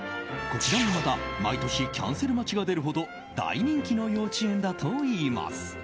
こちらもまた毎年キャンセル待ちが出るほど大人気の幼稚園だといいます。